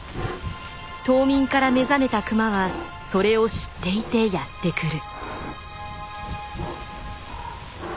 冬眠から目覚めたクマはそれを知っていてやって来る。